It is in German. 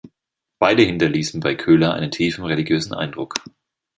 Beide hinterließen bei Köler einen tiefen religiösen Eindruck.